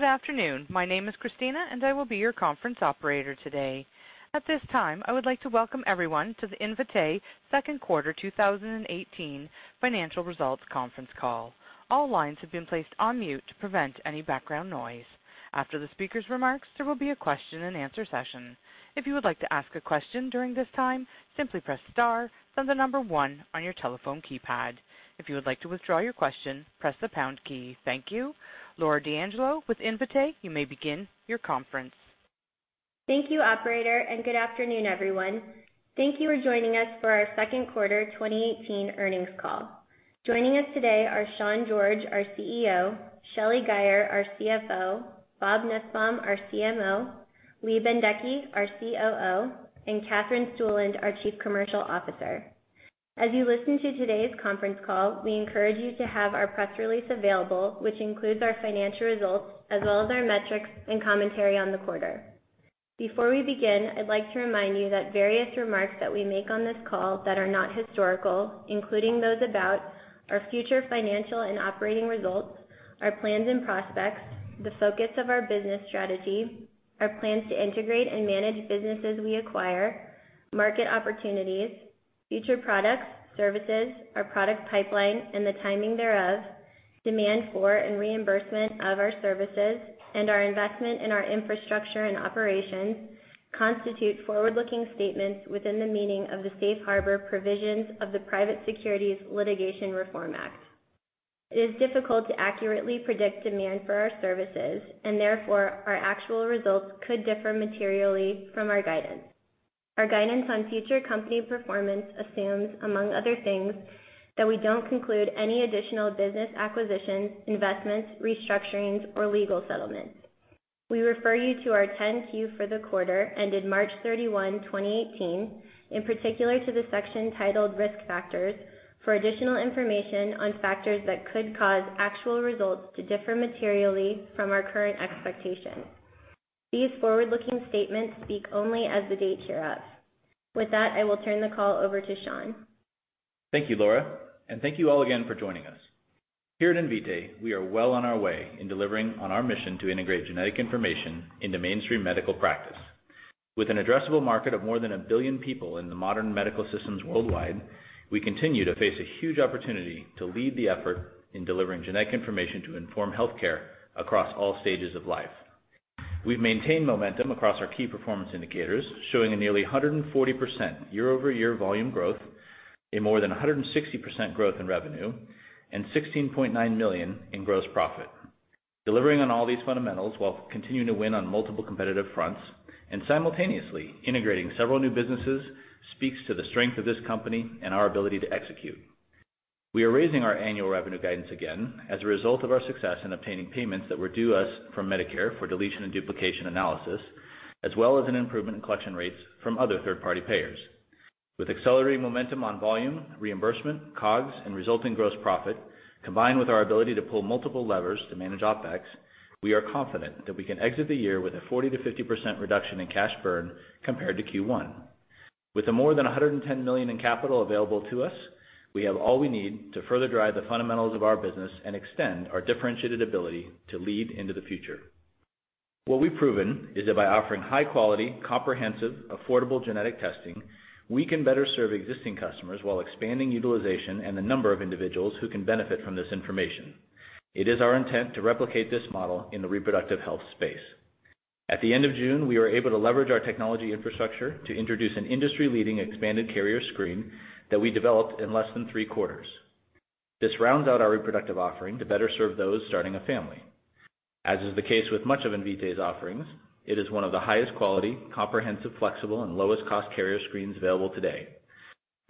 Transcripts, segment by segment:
Good afternoon. My name is Christina, and I will be your conference operator today. At this time, I would like to welcome everyone to the Invitae Second Quarter 2018 Financial Results Conference Call. All lines have been placed on mute to prevent any background noise. After the speaker's remarks, there will be a question and answer session. If you would like to ask a question during this time, simply press star, then the number 1 on your telephone keypad. If you would like to withdraw your question, press the pound key. Thank you. Laura D'Angelo, with Invitae, you may begin your conference. Thank you, operator. Good afternoon, everyone. Thank you for joining us for our second quarter 2018 earnings call. Joining us today are Sean George, our CEO, Shelly Guyer, our CFO, Robert Nussbaum, our CMO, Lee Bendekgey, our COO, and Katherine Stueland, our Chief Commercial Officer. As you listen to today's conference call, we encourage you to have our press release available, which includes our financial results as well as our metrics and commentary on the quarter. Before we begin, I'd like to remind you that various remarks that we make on this call that are not historical, including those about our future financial and operating results, our plans and prospects, the focus of our business strategy, our plans to integrate and manage businesses we acquire, market opportunities, future products, services, our product pipeline, and the timing thereof, demand for and reimbursement of our services, and our investment in our infrastructure and operations, constitute forward-looking statements within the meaning of the Safe Harbor provisions of the Private Securities Litigation Reform Act. It is difficult to accurately predict demand for our services. Therefore, our actual results could differ materially from our guidance. Our guidance on future company performance assumes, among other things, that we don't conclude any additional business acquisitions, investments, restructurings, or legal settlements. We refer you to our 10-Q for the quarter ended March 31, 2018, in particular to the section titled Risk Factors, for additional information on factors that could cause actual results to differ materially from our current expectations. These forward-looking statements speak only as of the date hereof. With that, I will turn the call over to Sean. Thank you, Laura, and thank you all again for joining us. Here at Invitae, we are well on our way in delivering on our mission to integrate genetic information into mainstream medical practice. With an addressable market of more than 1 billion people in the modern medical systems worldwide, we continue to face a huge opportunity to lead the effort in delivering genetic information to inform healthcare across all stages of life. We've maintained momentum across our key performance indicators, showing a nearly 140% year-over-year volume growth, a more than 160% growth in revenue, and $16.9 million in gross profit. Delivering on all these fundamentals while continuing to win on multiple competitive fronts and simultaneously integrating several new businesses speaks to the strength of this company and our ability to execute. We are raising our annual revenue guidance again as a result of our success in obtaining payments that were due us from Medicare for deletion and duplication analysis, as well as an improvement in collection rates from other third-party payers. With accelerating momentum on volume, reimbursement, COGS, and resulting gross profit, combined with our ability to pull multiple levers to manage OPEX, we are confident that we can exit the year with a 40%-50% reduction in cash burn compared to Q1. With the more than $110 million in capital available to us, we have all we need to further drive the fundamentals of our business and extend our differentiated ability to lead into the future. What we've proven is that by offering high-quality, comprehensive, affordable genetic testing, we can better serve existing customers while expanding utilization and the number of individuals who can benefit from this information. It is our intent to replicate this model in the reproductive health space. At the end of June, we were able to leverage our technology infrastructure to introduce an industry-leading expanded carrier screen that we developed in less than three quarters. This rounds out our reproductive offering to better serve those starting a family. As is the case with much of Invitae's offerings, it is one of the highest quality, comprehensive, flexible, and lowest-cost carrier screens available today.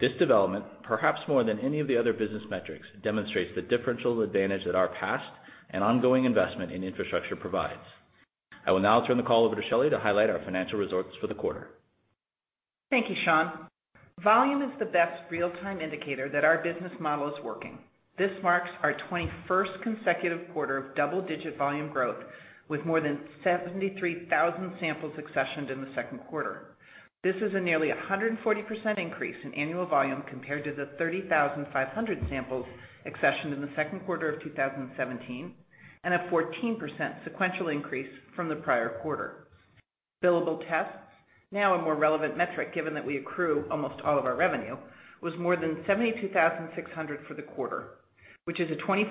This development, perhaps more than any of the other business metrics, demonstrates the differential advantage that our past and ongoing investment in infrastructure provides. I will now turn the call over to Shelly to highlight our financial results for the quarter. Thank you, Sean. Volume is the best real-time indicator that our business model is working. This marks our 21st consecutive quarter of double-digit volume growth, with more than 73,000 samples accessioned in the second quarter. This is a nearly 140% increase in annual volume compared to the 30,500 samples accessioned in the second quarter of 2017 and a 14% sequential increase from the prior quarter. Billable tests, now a more relevant metric given that we accrue almost all of our revenue, was more than 72,600 for the quarter, which is a 24%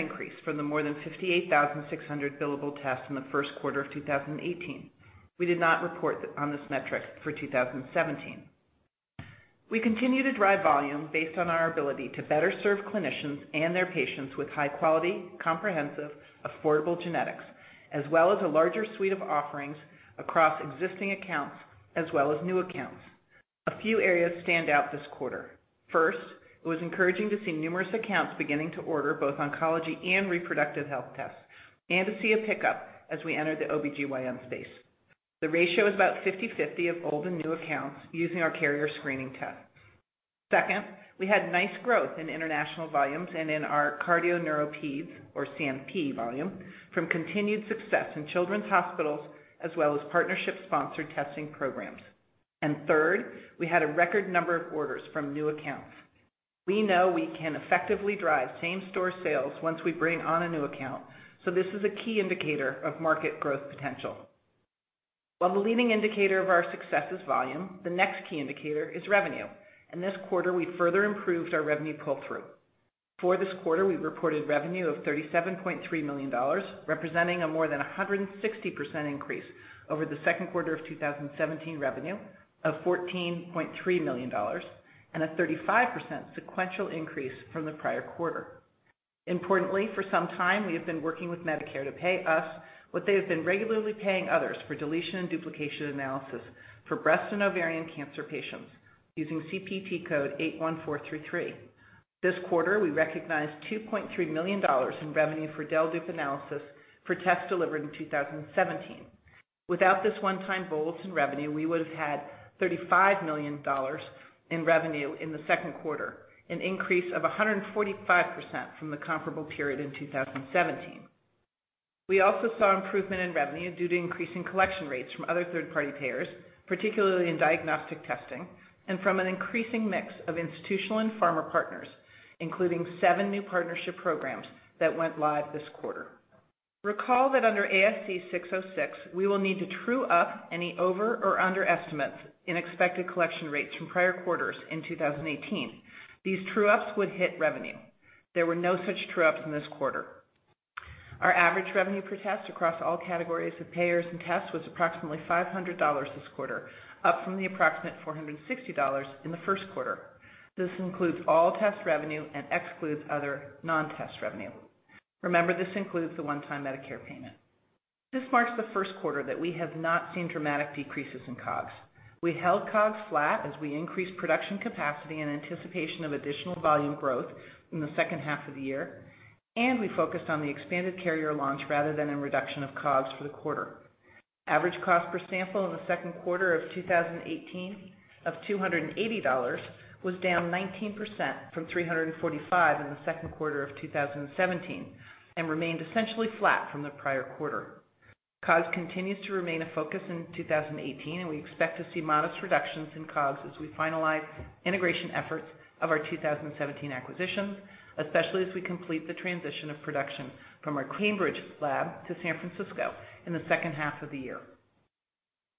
increase from the more than 58,600 billable tests in the first quarter of 2018. We did not report on this metric for 2017. We continue to drive volume based on our ability to better serve clinicians and their patients with high-quality, comprehensive, affordable genetics, as well as a larger suite of offerings across existing accounts as well as new accounts. A few areas stand out this quarter. First, it was encouraging to see numerous accounts beginning to order both oncology and reproductive health tests and to see a pickup as we entered the OB-GYN space. The ratio is about 50/50 of old and new accounts using our carrier screening tests. Second, we had nice growth in international volumes and in our cardio neuro peds or CNP volume from continued success in children's hospitals as well as partnership-sponsored testing programs. Third, we had a record number of orders from new accounts. We know we can effectively drive same-store sales once we bring on a new account, this is a key indicator of market growth potential. While the leading indicator of our success is volume, the next key indicator is revenue, this quarter we further improved our revenue pull-through. For this quarter, we reported revenue of $37.3 million, representing a more than 160% increase over the second quarter of 2017 revenue of $14.3 million, a 35% sequential increase from the prior quarter. Importantly, for some time, we have been working with Medicare to pay us what they have been regularly paying others for deletion and duplication analysis for breast and ovarian cancer patients using CPT code 81433. This quarter, we recognized $2.3 million in revenue for del dupe analysis for tests delivered in 2017. Without this one-time bulletin revenue, we would've had $35 million in revenue in the second quarter, an increase of 145% from the comparable period in 2017. We also saw improvement in revenue due to increasing collection rates from other third-party payers, particularly in diagnostic testing, and from an increasing mix of institutional and pharma partners, including seven new partnership programs that went live this quarter. Recall that under ASC 606, we will need to true up any over or under estimates in expected collection rates from prior quarters in 2018. These true ups would hit revenue. There were no such true ups in this quarter. Our average revenue per test across all categories of payers and tests was approximately $500 this quarter, up from the approximate $460 in the first quarter. This includes all test revenue and excludes other non-test revenue. Remember, this includes the one-time Medicare payment. This marks the first quarter that we have not seen dramatic decreases in COGS. We held COGS flat as we increased production capacity in anticipation of additional volume growth in the second half of the year, we focused on the expanded carrier launch rather than a reduction of COGS for the quarter. Average cost per sample in the second quarter of 2018 of $280 was down 19% from $345 in the second quarter of 2017 and remained essentially flat from the prior quarter. COGS continues to remain a focus in 2018, we expect to see modest reductions in COGS as we finalize integration efforts of our 2017 acquisitions, especially as we complete the transition of production from our Cambridge lab to San Francisco in the second half of the year.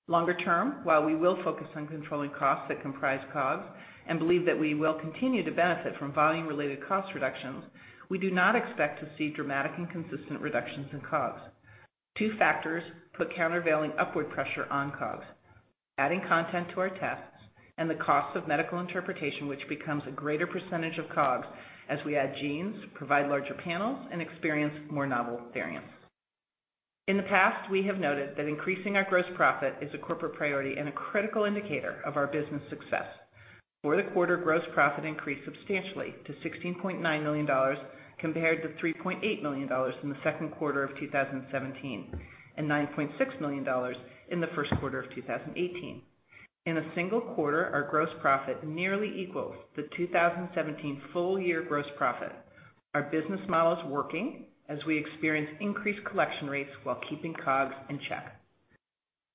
Longer term, while we will focus on controlling costs that comprise COGS and believe that we will continue to benefit from volume-related cost reductions, we do not expect to see dramatic and consistent reductions in COGS. Two factors put countervailing upward pressure on COGS: adding content to our tests and the cost of medical interpretation, which becomes a greater percentage of COGS as we add genes, provide larger panels, and experience more novel variants. In the past, we have noted that increasing our gross profit is a corporate priority and a critical indicator of our business success. For the quarter, gross profit increased substantially to $16.9 million, compared to $3.8 million in the second quarter of 2017 and $9.6 million in the first quarter of 2018. In a single quarter, our gross profit nearly equals the 2017 full year gross profit. Our business model is working as we experience increased collection rates while keeping COGS in check.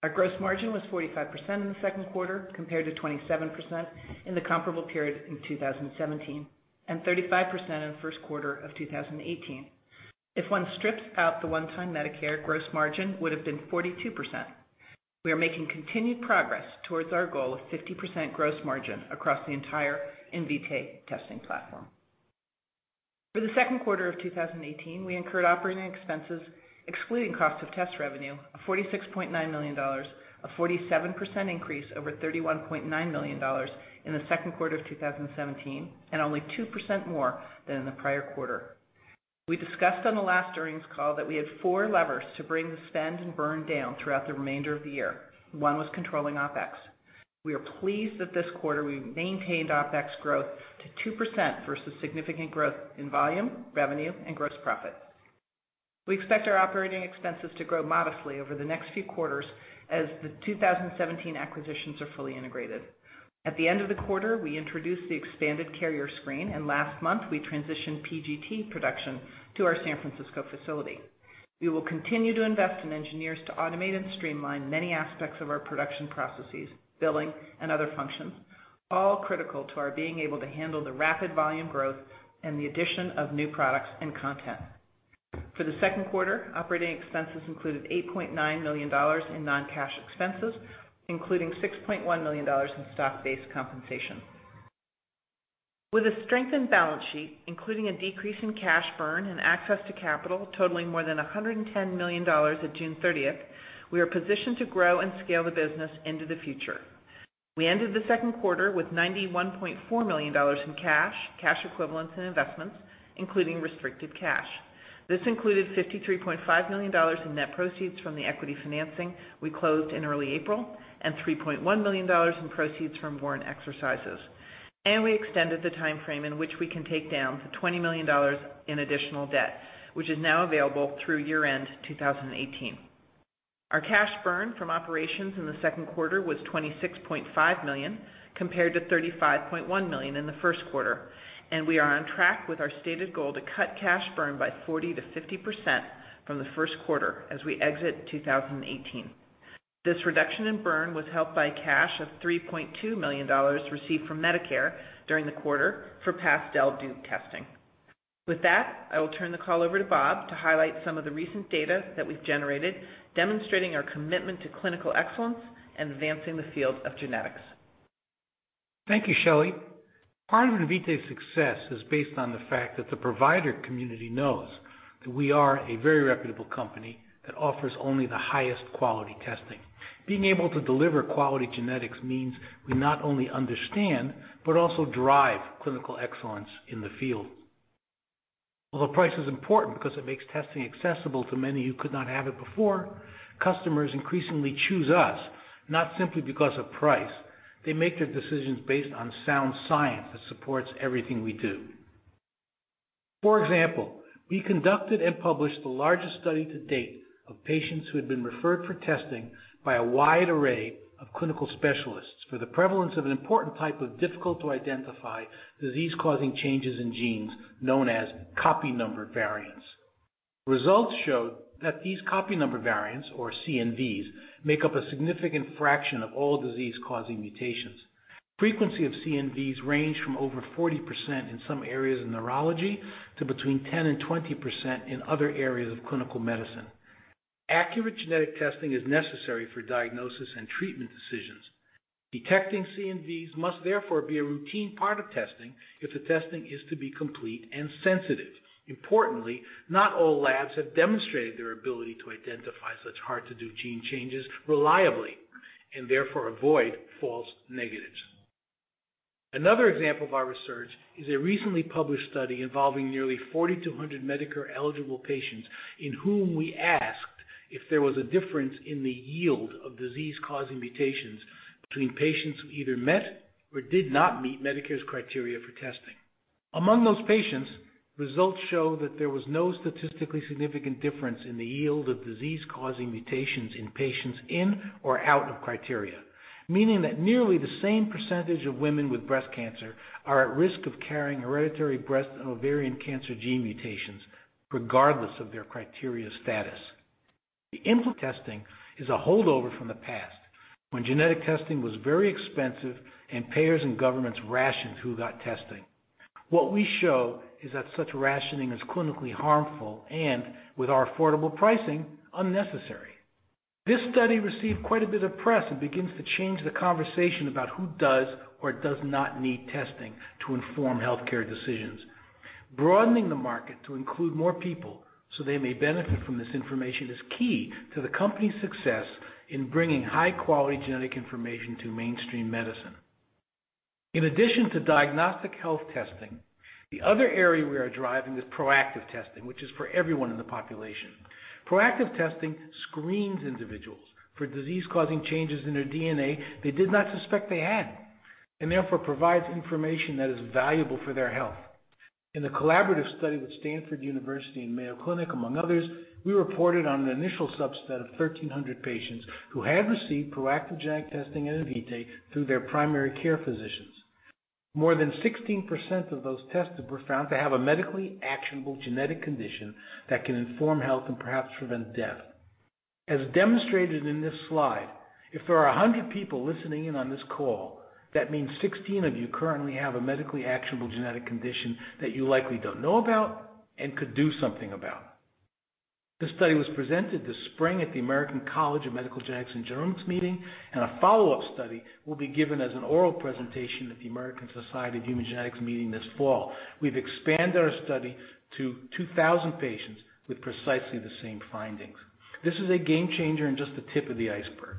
Our gross margin was 45% in the second quarter, compared to 27% in the comparable period in 2017 and 35% in the first quarter of 2018. If one strips out the one-time Medicare gross margin, it would've been 42%. We are making continued progress towards our goal of 50% gross margin across the entire Invitae testing platform. For the second quarter of 2018, we incurred operating expenses, excluding cost of test revenue, of $46.9 million, a 47% increase over $31.9 million in the second quarter of 2017 and only 2% more than in the prior quarter. We discussed on the last earnings call that we had four levers to bring the spend and burn down throughout the remainder of the year. One was controlling OPEX. We are pleased that this quarter we've maintained OPEX growth to 2% versus significant growth in volume, revenue, and gross profit. We expect our operating expenses to grow modestly over the next few quarters as the 2017 acquisitions are fully integrated. At the end of the quarter, we introduced the expanded carrier screen, and last month we transitioned PGT production to our San Francisco facility. We will continue to invest in engineers to automate and streamline many aspects of our production processes, billing, and other functions, all critical to our being able to handle the rapid volume growth and the addition of new products and content. For the second quarter, operating expenses included $8.9 million in non-cash expenses, including $6.1 million in stock-based compensation. With a strengthened balance sheet, including a decrease in cash burn and access to capital totaling more than $110 million at June 30th, we are positioned to grow and scale the business into the future. We ended the second quarter with $91.4 million in cash equivalents, and investments, including restricted cash. This included $53.5 million in net proceeds from the equity financing we closed in early April and $3.1 million in proceeds from warrant exercises. We extended the timeframe in which we can take down to $20 million in additional debt, which is now available through year-end 2018. Our cash burn from operations in the second quarter was $26.5 million compared to $35.1 million in the first quarter, and we are on track with our stated goal to cut cash burn by 40%-50% from the first quarter as we exit 2018. This reduction in burn was helped by cash of $3.2 million received from Medicare during the quarter for past del/dup testing. With that, I will turn the call over to Bob to highlight some of the recent data that we've generated, demonstrating our commitment to clinical excellence and advancing the field of genetics. Thank you, Shelly. Part of Invitae's success is based on the fact that the provider community knows that we are a very reputable company that offers only the highest quality testing. Being able to deliver quality genetics means we not only understand, but also drive clinical excellence in the field. Although price is important because it makes testing accessible to many who could not have it before, customers increasingly choose us, not simply because of price. They make their decisions based on sound science that supports everything we do. For example, we conducted and published the largest study to date of patients who had been referred for testing by a wide array of clinical specialists for the prevalence of an important type of difficult-to-identify disease-causing changes in genes known as copy number variants. Results showed that these copy number variants, or CNVs, make up a significant fraction of all disease-causing mutations. Frequency of CNVs range from over 40% in some areas of neurology to between 10%-20% in other areas of clinical medicine. Accurate genetic testing is necessary for diagnosis and treatment decisions. Detecting CNVs must therefore be a routine part of testing if the testing is to be complete and sensitive. Importantly, not all labs have demonstrated their ability to identify such hard-to-do gene changes reliably, and therefore avoid false negatives. Another example of our research is a recently published study involving nearly 4,200 Medicare-eligible patients in whom we asked if there was a difference in the yield of disease-causing mutations between patients who either met or did not meet Medicare's criteria for testing. Among those patients, results show that there was no statistically significant difference in the yield of disease-causing mutations in patients in or out of criteria. Meaning that nearly the same percentage of women with breast cancer are at risk of carrying hereditary breast and ovarian cancer gene mutations, regardless of their criteria status. The testing is a holdover from the past, when genetic testing was very expensive and payers and governments rationed who got testing. What we show is that such rationing is clinically harmful and, with our affordable pricing, unnecessary. This study received quite a bit of press and begins to change the conversation about who does or does not need testing to inform healthcare decisions. Broadening the market to include more people so they may benefit from this information is key to the company's success in bringing high-quality genetic information to mainstream medicine. In addition to diagnostic health testing, the other area we are driving is proactive testing, which is for everyone in the population. Proactive testing screens individuals for disease-causing changes in their DNA they did not suspect they had, and therefore provides information that is valuable for their health. In the collaborative study with Stanford University and Mayo Clinic, among others, we reported on an initial subset of 1,300 patients who had received proactive genetic testing at Invitae through their primary care physicians. More than 16% of those tested were found to have a medically actionable genetic condition that can inform health and perhaps prevent death. As demonstrated in this slide, if there are 100 people listening in on this call, that means 16 of you currently have a medically actionable genetic condition that you likely don't know about and could do something about. This study was presented this spring at the American College of Medical Genetics and Genomics meeting. A follow-up study will be given as an oral presentation at the American Society of Human Genetics meeting this fall. We've expanded our study to 2,000 patients with precisely the same findings. This is a game changer and just the tip of the iceberg.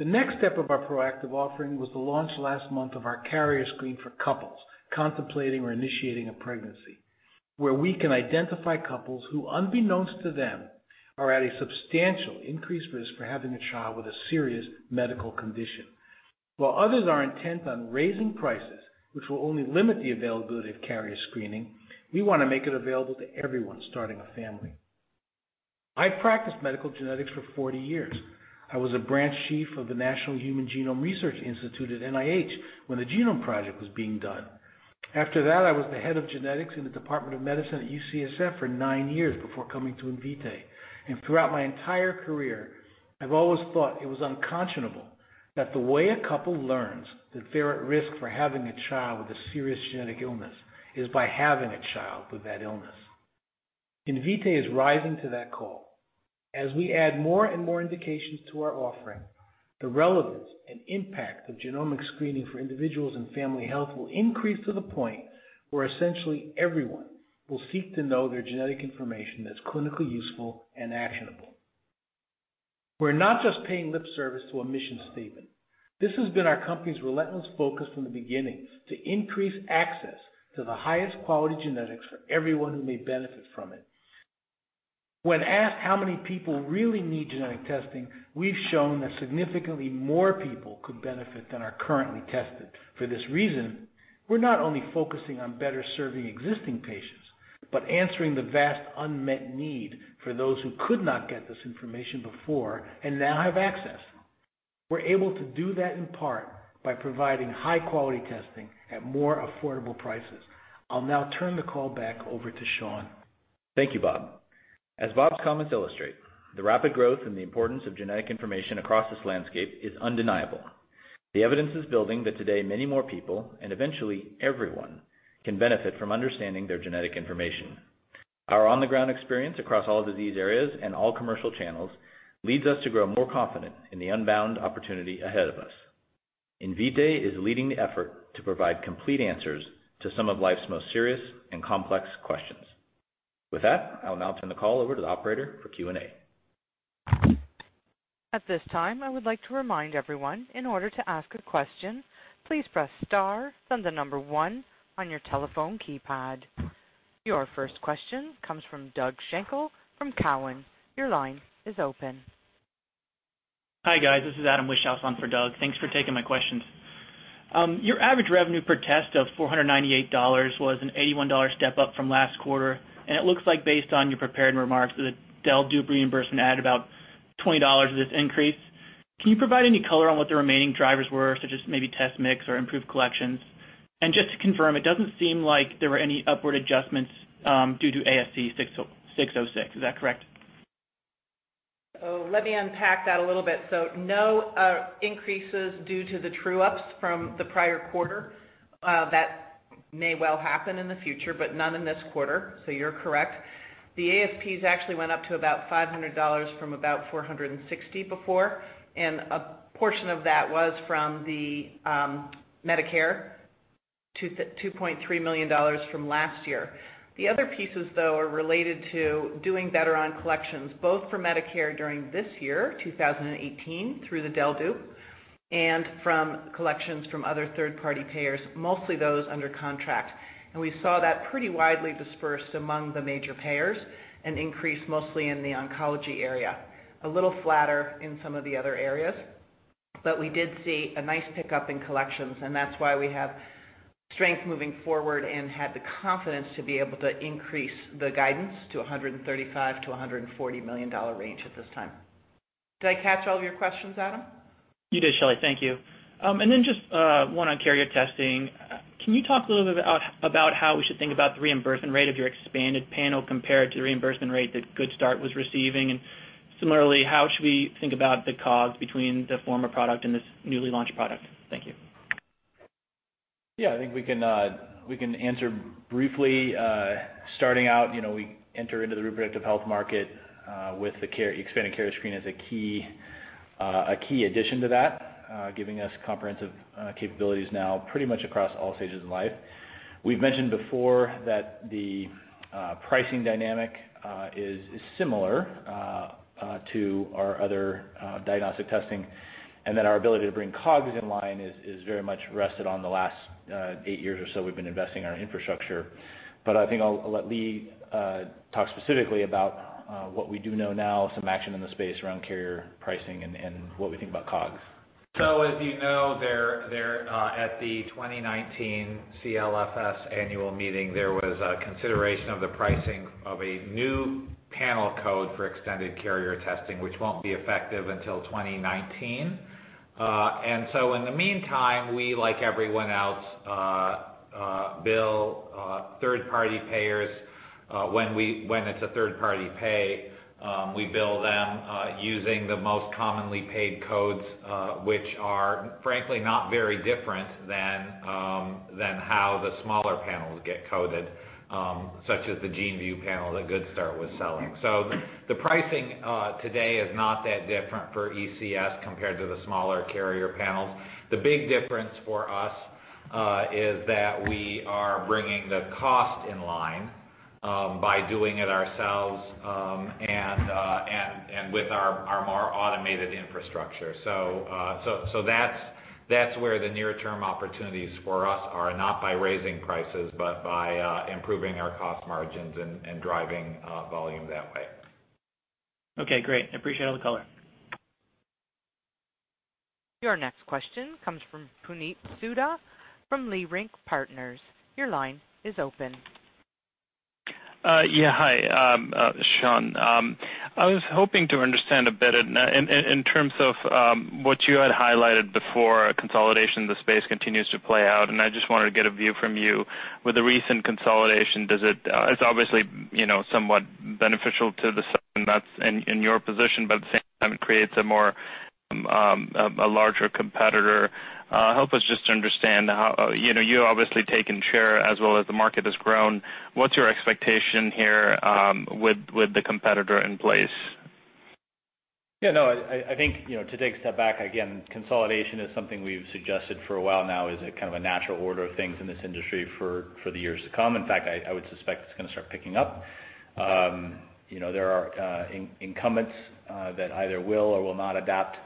The next step of our proactive offering was the launch last month of our carrier screen for couples contemplating or initiating a pregnancy, where we can identify couples who, unbeknownst to them, are at a substantial increased risk for having a child with a serious medical condition. While others are intent on raising prices, which will only limit the availability of carrier screening, we want to make it available to everyone starting a family. I've practiced medical genetics for 40 years. I was a branch chief of the National Human Genome Research Institute at NIH when the Genome Project was being done. After that, I was the head of genetics in the Department of Medicine at UCSF for nine years before coming to Invitae. Throughout my entire career, I've always thought it was unconscionable that the way a couple learns that they're at risk for having a child with a serious genetic illness is by having a child with that illness. Invitae is rising to that call. As we add more and more indications to our offering, the relevance and impact of genomic screening for individuals and family health will increase to the point where essentially everyone will seek to know their genetic information that's clinically useful and actionable. We're not just paying lip service to a mission statement. This has been our company's relentless focus from the beginning: to increase access to the highest quality genetics for everyone who may benefit from it. When asked how many people really need genetic testing, we've shown that significantly more people could benefit than are currently tested. For this reason, we're not only focusing on better serving existing patients, but answering the vast unmet need for those who could not get this information before and now have access. We're able to do that in part by providing high-quality testing at more affordable prices. I'll now turn the call back over to Sean. Thank you, Bob. As Bob's comments illustrate, the rapid growth and the importance of genetic information across this landscape is undeniable. The evidence is building that today many more people, and eventually everyone, can benefit from understanding their genetic information. Our on-the-ground experience across all disease areas and all commercial channels leads us to grow more confident in the unbound opportunity ahead of us. Invitae is leading the effort to provide complete answers to some of life's most serious and complex questions. With that, I'll now turn the call over to the operator for Q&A. At this time, I would like to remind everyone, in order to ask a question, please press star, then the number one on your telephone keypad. Your first question comes from Doug Schenkel from Cowen. Your line is open. Hi, guys. This is Adam Wishoff on for Doug. Thanks for taking my questions. Your average revenue per test of $498 was an $81 step-up from last quarter. It looks like based on your prepared remarks that the Del Dupe reimbursement added about $20 of this increase. Can you provide any color on what the remaining drivers were, such as maybe test mix or improved collections? Just to confirm, it doesn't seem like there were any upward adjustments, due to ASC 606, is that correct? Let me unpack that a little bit. No increases due to the true-ups from the prior quarter. That may well happen in the future, but none in this quarter. You're correct. The ASPs actually went up to about $500 from about $460 before, a portion of that was from the Medicare, $2.3 million from last year. The other pieces, though, are related to doing better on collections, both for Medicare during this year, 2018, through the Del Dupe, and from collections from other third-party payers, mostly those under contract. We saw that pretty widely dispersed among the major payers, and increased mostly in the oncology area. A little flatter in some of the other areas. We did see a nice pickup in collections, and that's why we have strength moving forward and had the confidence to be able to increase the guidance to $135 million-$140 million range at this time. Did I catch all of your questions, Adam? You did, Shelly. Thank you. Then just one on carrier testing. Can you talk a little bit about how we should think about the reimbursement rate of your expanded panel compared to the reimbursement rate that Good Start was receiving? Similarly, how should we think about the COGS between the former product and this newly launched product? Thank you. Yeah, I think we can answer briefly. Starting out, we enter into the reproductive health market, with the expanded carrier screen as a key addition to that, giving us comprehensive capabilities now pretty much across all stages of life. We've mentioned before that the pricing dynamic is similar to our other diagnostic testing, and that our ability to bring COGS in line is very much rested on the last eight years or so we've been investing in our infrastructure. I think I'll let Lee talk specifically about what we do know now, some action in the space around carrier pricing and what we think about COGS. As you know, at the 2019 CLFS annual meeting, there was a consideration of the pricing of a new panel code for extended carrier testing, which won't be effective until 2019. In the meantime, we, like everyone else, bill third-party payers when it's a third-party pay. We bill them using the most commonly paid codes, which are, frankly, not very different than how the smaller panels get coded, such as the GeneVu panel that Good Start was selling. The pricing today is not that different for ECS compared to the smaller carrier panels. The big difference for us is that we are bringing the cost in line by doing it ourselves and with our more automated infrastructure. That's where the near-term opportunities for us are, not by raising prices, but by improving our cost margins and driving volume that way. Okay, great. I appreciate all the color. Your next question comes from Puneet Souda from Leerink Partners. Your line is open. Yeah. Hi, Sean. I was hoping to understand a bit in terms of what you had highlighted before consolidation of the space continues to play out, and I just wanted to get a view from you. With the recent consolidation, it's obviously somewhat beneficial to the that's in your position, but at the same time, it creates a larger competitor. Help us just to understand how you've obviously taken share as well as the market has grown. What's your expectation here with the competitor in place? Yeah, no. I think, to take a step back again, consolidation is something we've suggested for a while now as a kind of a natural order of things in this industry for the years to come. In fact, I would suspect it's going to start picking up. There are incumbents that either will or will not adopt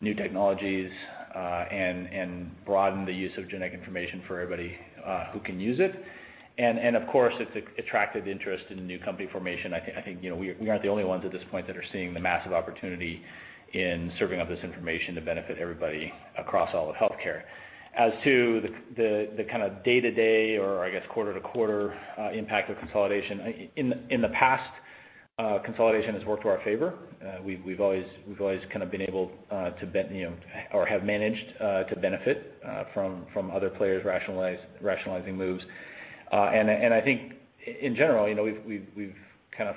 new technologies and broaden the use of genetic information for everybody who can use it. Of course, it's attracted interest in new company formation. I think we aren't the only ones at this point that are seeing the massive opportunity in serving up this information to benefit everybody across all of healthcare. As to the kind of day-to-day or I guess quarter-to-quarter impact of consolidation, in the past consolidation has worked to our favor. We've always have managed to benefit from other players rationalizing moves. I think in general, we've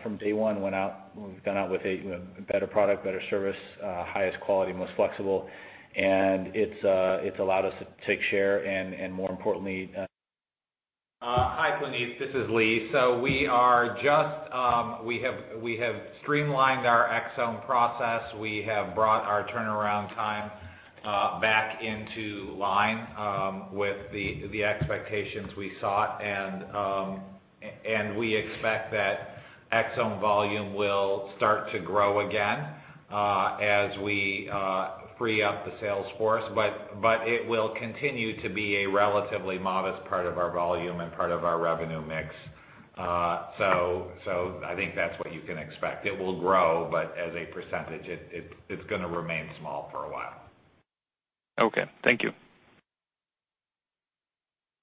from day one went out with a better product, better service, highest quality, most flexible, and it's allowed us to take share and more importantly. Hi, Puneet. This is Lee. We have streamlined our exome process. We have brought our turnaround time back into line with the expectations we sought and we expect that exome volume will start to grow again as we free up the sales force. It will continue to be a relatively modest part of our volume and part of our revenue mix. I think that's what you can expect. It will grow, but as a percentage, it's going to remain small for a while. Okay. Thank you.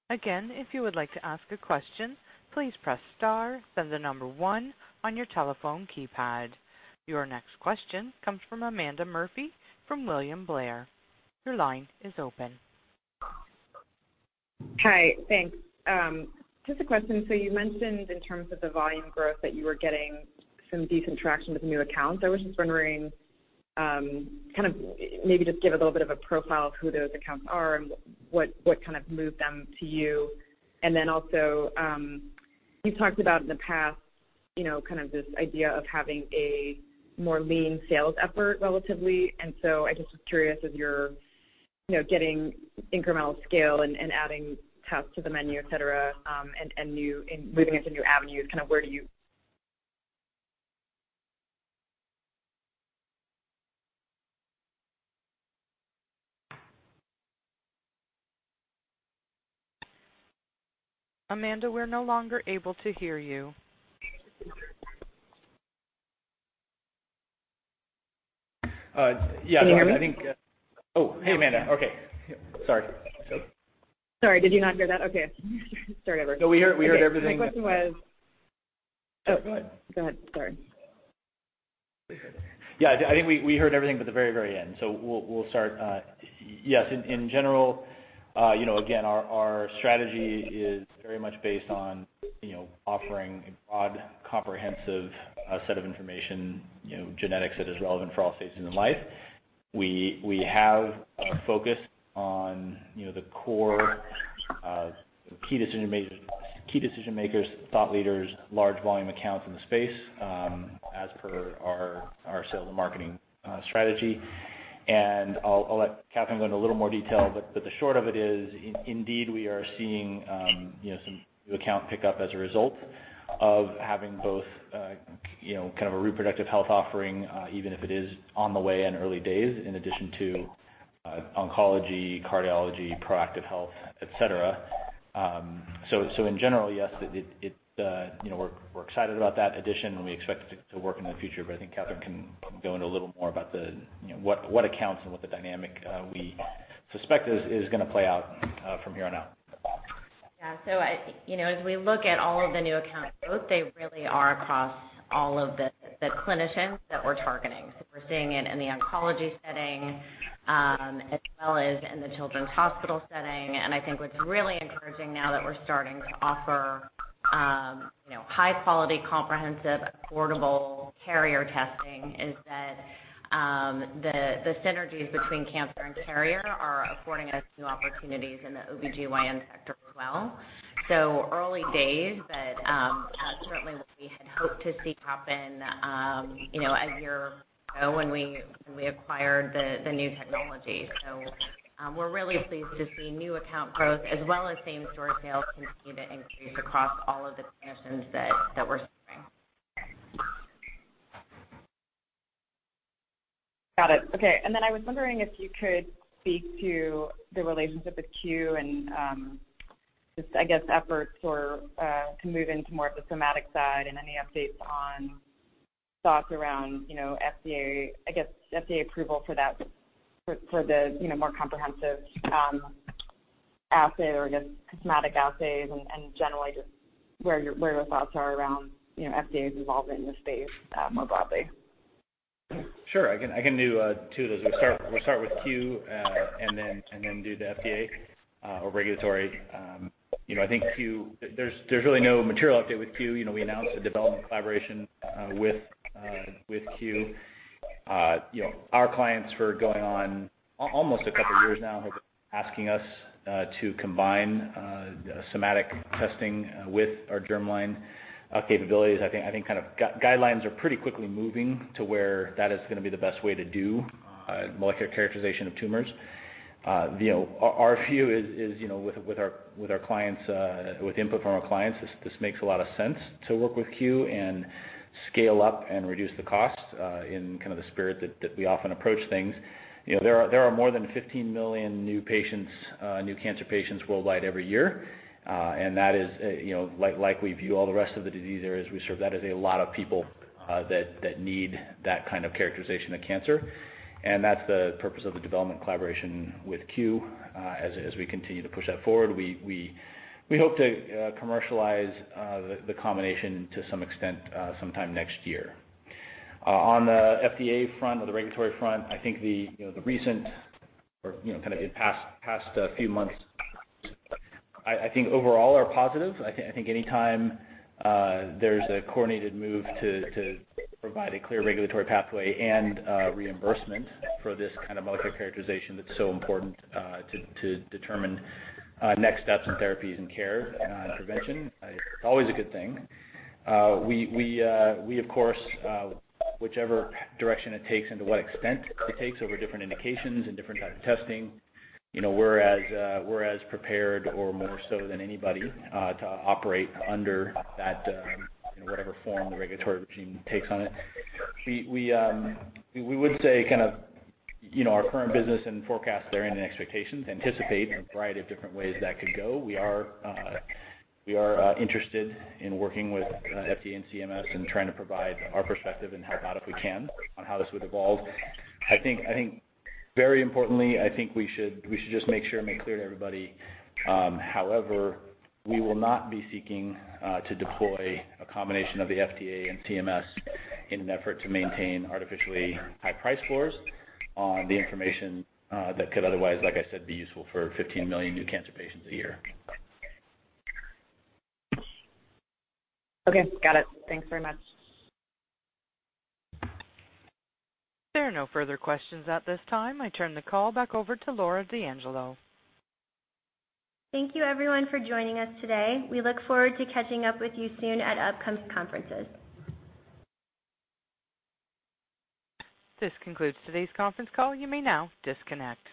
Again, if you would like to ask a question, please press star, then the number one on your telephone keypad. Your next question comes from Amanda Murphy from William Blair. Your line is open. Hi. Thanks. Just a question. You mentioned in terms of the volume growth that you were getting some decent traction with new accounts. I was just wondering, maybe just give a little bit of a profile of who those accounts are and what moved them to you? Also, you talked about in the past, this idea of having a more lean sales effort relatively. I just was curious if you're getting incremental scale and adding tests to the menu, et cetera, and moving into new avenues, where do you Amanda, we're no longer able to hear you. Yeah. Can you hear me? Oh, hey, Amanda. Okay. Sorry. Sorry, did you not hear that? Okay. Start over. No, we heard everything. Okay. My question was Oh, go ahead. Sorry. Yeah, I think we heard everything but the very end. We'll start. Yes, in general, again, our strategy is very much based on offering a broad, comprehensive set of information, genetics that is relevant for all stages in life. We have a focus on the core of key decision makers, thought leaders, large volume accounts in the space, as per our sales and marketing strategy. I'll let Katherine go into a little more detail, but the short of it is, indeed, we are seeing some new account pickup as a result of having both a reproductive health offering, even if it is on the way in early days, in addition to oncology, cardiology, proactive health, et cetera. Yes, we're excited about that addition, and we expect it to work in the future, but I think Katherine can go into a little more about what accounts and what the dynamic we suspect is going to play out from here on out. Yeah. As we look at all of the new account growth, they really are across all of the clinicians that we're targeting. We're seeing it in the oncology setting, as well as in the children's hospital setting. I think what's really encouraging now that we're starting to offer high quality, comprehensive, affordable carrier testing is that the synergies between cancer and carrier are affording us new opportunities in the OB-GYN sector as well. Early days, but certainly what we had hoped to see happen a year ago when we acquired the new technology. We're really pleased to see new account growth as well as same store sales continue to increase across all of the clinicians that we're serving. Got it. Okay. Then I was wondering if you could speak to the relationship with ArcherDX and just, I guess, efforts to move into more of the somatic side and any updates on thoughts around FDA approval for the more comprehensive assay or, I guess, somatic assays and generally just where your thoughts are around FDA's involvement in the space more broadly. Sure. I can do two of those. We'll start with ArcherDX, then do the FDA or regulatory. I think there's really no material update with ArcherDX. We announced a development collaboration with ArcherDX. Our clients for going on almost a couple of years now have been asking us to combine somatic testing with our germline capabilities. I think guidelines are pretty quickly moving to where that is going to be the best way to do molecular characterization of tumors. Our view is with input from our clients, this makes a lot of sense to work with ArcherDX and scale up and reduce the cost in the spirit that we often approach things. There are more than 15 million new cancer patients worldwide every year. That is, like we view all the rest of the disease areas we serve, that is a lot of people that need that kind of characterization of cancer, and that's the purpose of the development collaboration with ArcherDX. As we continue to push that forward, we hope to commercialize the combination to some extent sometime next year. On the FDA front or the regulatory front, I think the recent or past few months, I think overall are positive. I think any time there's a coordinated move to provide a clear regulatory pathway and reimbursement for this kind of molecular characterization that's so important to determine next steps in therapies and care and prevention, it's always a good thing. We, of course, whichever direction it takes and to what extent it takes over different indications and different types of testing, we're as prepared or more so than anybody to operate under that, whatever form the regulatory regime takes on it. We would say our current business and forecasts therein and expectations anticipate a variety of different ways that could go. We are interested in working with FDA and CMS and trying to provide our perspective and help out if we can on how this would evolve. I think very importantly, I think we should just make sure and make clear to everybody, however, we will not be seeking to deploy a combination of the FDA and CMS in an effort to maintain artificially high price floors on the information that could otherwise, like I said, be useful for 15 million new cancer patients a year. Okay, got it. Thanks very much. There are no further questions at this time. I turn the call back over to Laura D'Angelo. Thank you everyone for joining us today. We look forward to catching up with you soon at upcoming conferences. This concludes today's conference call. You may now disconnect.